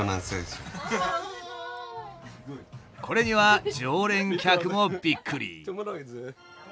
これには常連客もびっくり。